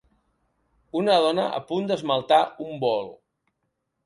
Una dona a punt d'esmaltar un bol.